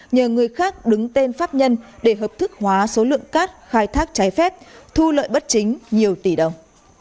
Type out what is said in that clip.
nhờ người khác đứng tên pháp nhân để hợp thức hóa số lượng cát khai thác trái phép thu lợi bất chính nhiều tỷ đồng